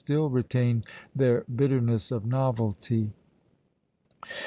still retain their "bitterness of novelty."